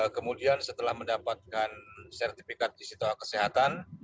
kemudian setelah mendapatkan sertifikat istitoah kesehatan